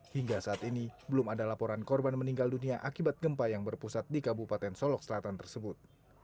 hingga saat ini belum ada laporan korban meninggal dunia akibat gempa yang berpusat di kabupaten solok selatan tersebut